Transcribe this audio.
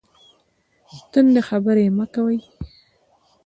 تندې خبرې مه کوئ